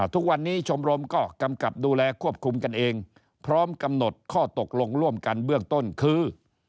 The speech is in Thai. ทุกวันนี้ชมรมก็กำกับดูแลควบคุมกันเองพร้อมกำหนดข้อตกลงร่วมกันเบื้องต้นคือ